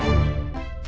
gak mungkin pak muhyiddin